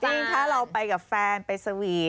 จริงถ้าเราไปกับแฟนไปสวีท